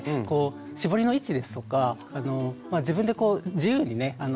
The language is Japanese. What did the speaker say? こう絞りの位置ですとか自分でこう自由にね